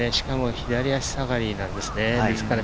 左足下がりなんですね。